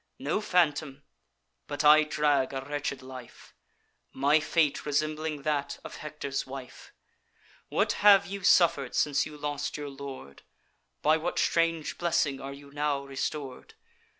No phantom; but I drag a wretched life, My fate resembling that of Hector's wife. What have you suffer'd since you lost your lord? By what strange blessing are you now restor'd?